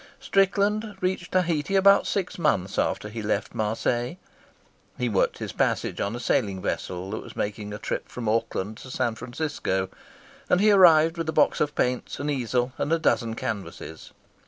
Strickland reached Tahiti about six months after he left Marseilles. He worked his passage on a sailing vessel that was making the trip from Auckland to San Francisco, and he arrived with a box of paints, an easel, and a dozen canvases.